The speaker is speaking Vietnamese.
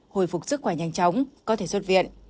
hồi phục sức khỏe nhanh chóng có thể xuất viện